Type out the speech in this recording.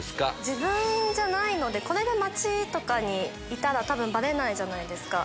自分じゃないのでこれで街とかにいたらバレないじゃないですか。